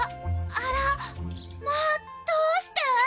あらまあどうして？